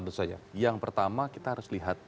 tentu saja yang pertama kita harus lihat